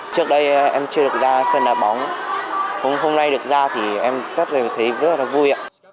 trước đây em chưa được ra sân đá bóng hôm nay được ra thì em rất là thấy rất là vui ạ